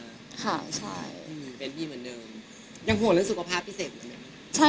ยังห่วงเรื่องสุขภาพพิเศษเหมือนใหม่ไหม